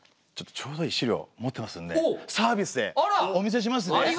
ちょっとちょうどいい資料持ってますんでサービスでお見せしますね。